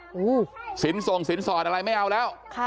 โอ้โหสินส่งสินสอดอะไรไม่เอาแล้ว